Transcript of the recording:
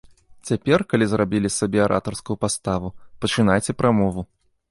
Цяпер, калі зрабілі сабе аратарскую паставу, пачынайце прамову.